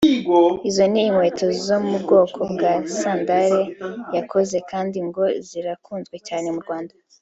Izo ni inkweto zo mu bwoko bwa sandali yakoze kandi ngo zirakunzwe cyane mu Rwanda